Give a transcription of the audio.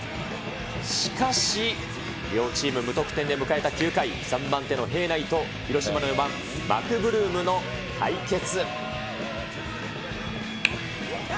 しかし、両チーム無得点で迎えた９回、３番手の平内と、広島の４番マクブルームの対決。